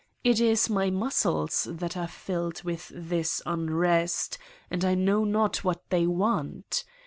It is my muscles that are filled with this unrest, and I know not what they want.